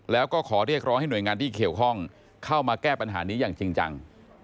แล้วก็ขอเรียกร้องให้หน่วยงานที่เกี่ยวข้องเข้ามาแก้ปัญหานี้อย่างจริงจัง